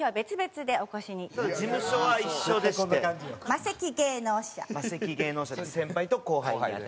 マセキ芸能社で先輩と後輩になります。